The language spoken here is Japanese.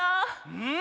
うん！